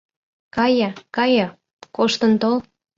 Кае, кае, коштын тол.